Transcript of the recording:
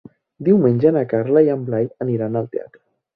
Diumenge na Carla i en Blai aniran al teatre.